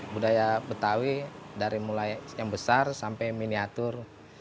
budaya betawi dari mulai yang besar sampai miniatur